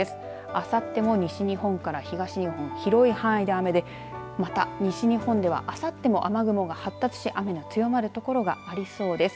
あさっても西日本から東日本広い範囲で雨でまた、西日本では、あさっても雨雲が発達し雨の強まる所がありそうです。